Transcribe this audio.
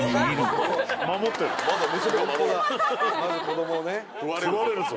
まず子供をね。